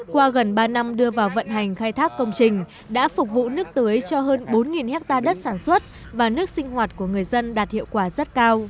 qua gần ba năm đưa vào vận hành khai thác công trình đã phục vụ nước tưới cho hơn bốn hectare đất sản xuất và nước sinh hoạt của người dân đạt hiệu quả rất cao